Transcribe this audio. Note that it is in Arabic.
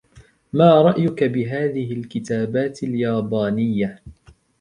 ما رأيك بهذه الكتابات اليابانية ؟